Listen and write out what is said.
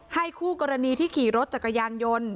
ให้คู่กรณีที่ขี่รถจากกระยันยนต์